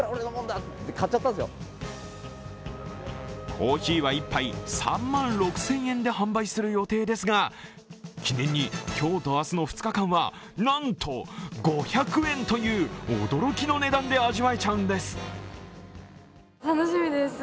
コーヒーは１杯３万６０００円で販売する予定ですが、記念に今日と明日の２日間はなんと５００円という驚きの値段で味わえちゃうんです。